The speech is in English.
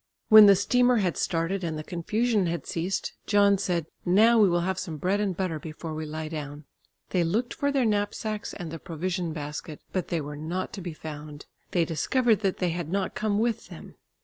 When the steamer had started and the confusion had ceased, John said, "Now we will have some bread and butter before we lie down." They looked for their knapsacks and the provision basket, but they were not to be found. They discovered that they had not come with them.